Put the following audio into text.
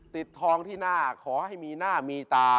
ทองที่หน้าขอให้มีหน้ามีตา